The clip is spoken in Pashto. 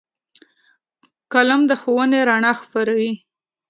قلم د ښوونې رڼا خپروي